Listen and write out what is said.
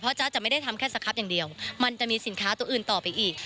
จ๊ะจะไม่ได้ทำแค่สครับอย่างเดียวมันจะมีสินค้าตัวอื่นต่อไปอีก